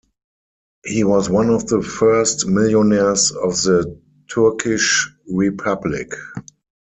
He was one of the first millionaires of the Turkish Republic.